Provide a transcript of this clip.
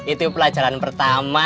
itu pelajaran pertanyaan